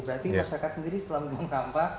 berarti masyarakat sendiri setelah membuang sampah